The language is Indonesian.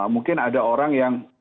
mungkin ada orang yang